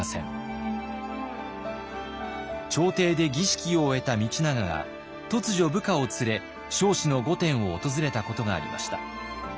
朝廷で儀式を終えた道長が突如部下を連れ彰子の御殿を訪れたことがありました。